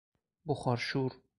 بخار شور